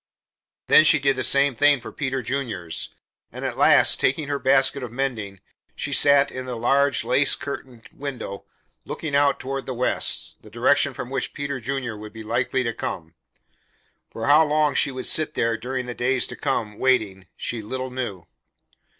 Then she did the same for Peter Junior's, and at last, taking her basket of mending, she sat in the large, lace curtained window looking out toward the west the direction from which Peter Junior would be likely to come. For how long she would sit there during the days to come waiting she little knew.